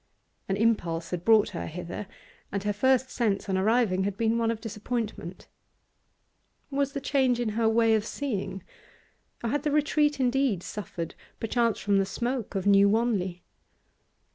An impulse had brought her hither, and her first sense on arriving had been one of disappointment. Was the change in her way of seeing? or had the retreat indeed suffered, perchance from the smoke of New Wanley?